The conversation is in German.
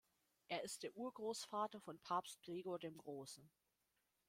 Er ist der Urgroßvater von Papst Gregor dem Großen.